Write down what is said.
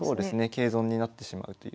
桂損になってしまうという。